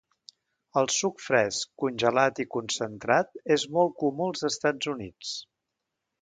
El suc fresc, congelat i concentrat és molt comú als Estats Units.